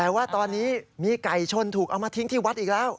แต่ว่าตอนนี้มีไก่ชนถูกเอามาทิ้งที่วัดอีกแล้ว